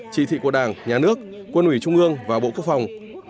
chỉ thị của đảng nhà nước quân ủy trung ương và bộ quốc phòng